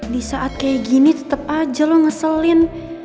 di saat kayak gini tetep aja lo ngeselin